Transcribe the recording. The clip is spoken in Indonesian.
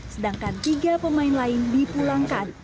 sedangkan tiga pemain lain dipulangkan